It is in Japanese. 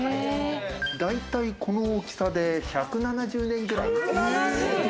だいたいこの大きさで１７０年くらい。